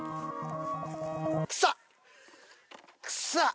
くさっ。